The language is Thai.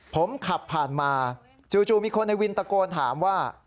ผมขับผ่านมาจู่มีคนในวินตะโกนถามว่า